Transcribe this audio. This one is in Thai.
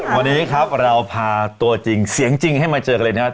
วันนี้ครับเราพาตัวจริงเสียงจริงให้มาเจอกันเลยนะครับ